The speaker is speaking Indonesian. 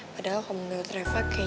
padahal kalo ngelut refah kayaknya sih